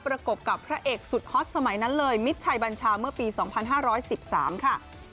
ประกบกับพระเอกสุดฮอตสมัยนั้นเลยมิตรชัยบัญชาเมื่อปี๒๕๑๓ค่ะ